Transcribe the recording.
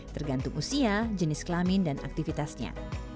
tergantung usia jenis kelamin dan aktivitasnya